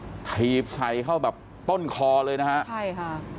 ถีบใส่เข้าแบบต้นคอเลยนะฮะใช่ค่ะ